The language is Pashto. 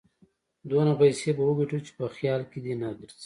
دونه پيسې به وګټو چې په خيال کې دې نه ګرځي.